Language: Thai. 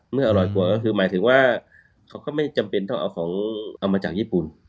เมื่ออร่อยกว่าก็คือหมายถึงว่าเขาก็ไม่จำเป็นต้องเอาของเอามาจากญี่ปุ่น